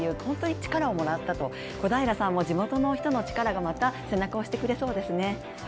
本当に力をもらったと小平さんも地元の人の力がまた背中を押してくれそうですね。